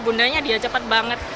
bundanya dia cepat banget